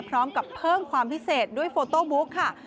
พร้อมกับเพิ่มความพิเศษด้วยโฟโต้บุ๊กค่ะ